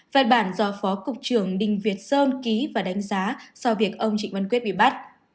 bài bản do phó cục trưởng đình việt sơn ký và đánh giá do việc ông trịnh văn quyết bị bắt